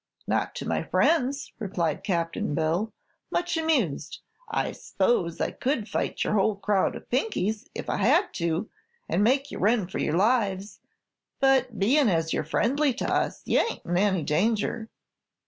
"Not to my friends," replied Cap'n Bill, much amused. "I s'pose I could fight your whole crowd o' Pinkies, if I had to, an' make you run for your lives; but bein' as you're friendly to us you ain't in any danger."